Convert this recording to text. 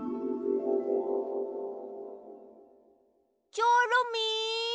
チョロミー？